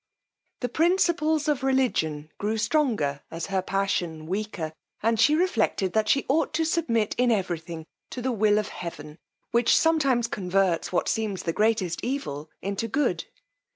The principles of religion grew stronger as her passion weaker, and she reflected that she ought to submit in every thing to the will of heaven, which sometimes converts what seems the greatest evil into good.